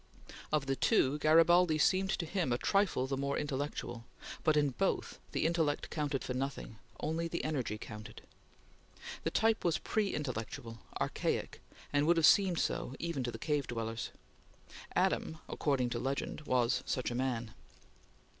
Of the two, Garibaldi seemed to him a trifle the more intellectual, but, in both, the intellect counted for nothing; only the energy counted. The type was pre intellectual, archaic, and would have seemed so even to the cave dwellers. Adam, according to legend, was such a man.